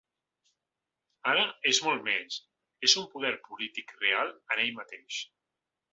Ara és molt més: és un poder polític real en ell mateix.